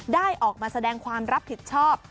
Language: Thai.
ได้ออกมาแสดงความรับผิดชอบ